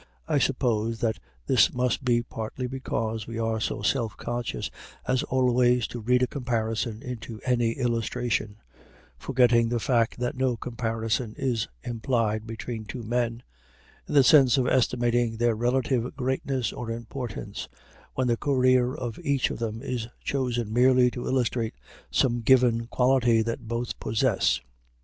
I suppose that this must be partly because we are so self conscious as always to read a comparison into any illustration, forgetting the fact that no comparison is implied between two men, in the sense of estimating their relative greatness or importance, when the career of each of them is chosen merely to illustrate some given quality that both possess.